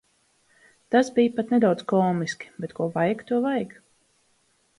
Tas bija pat nedaudz komiski, bet ko vajag, to vajag.